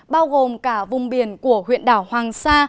bao gồm cả vùng biển của huyện đảo hoàng sa